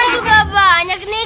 kita juga banyak nih